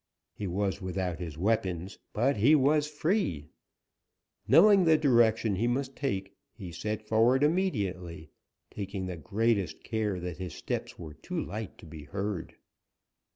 He was without his weapons, but he was free. Knowing the direction he must take, he set forward immediately, taking the greatest care that his steps were too light to be heard.